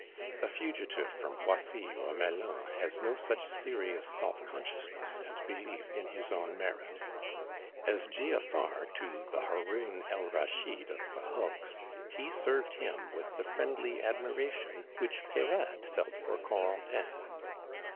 A fugitive from Poissy or Melun has no such serious self consciousness and belief in his own merit. As Giafar to the Haroun el Rasheed of the hulks, he served him with the friendly admiration which Peyrade felt for Corentin.